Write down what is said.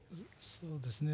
そうですね。